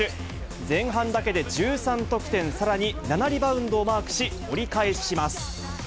前半だけで１３得点、さらに７リバウンドをマークし、折り返します。